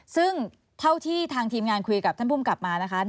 ซึ่งเท่าที่ทางทีมงานคุยกับท่านภูมิกลับมานะคะ